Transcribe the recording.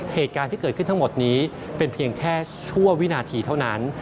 เหตุการณ์ที่เกิดขึ้นทั้งหมดนี้เป็นเพียงแค่ชั่ววินาทีเท่านั้น